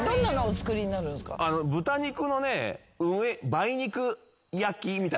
豚肉のね梅肉焼きみたいな。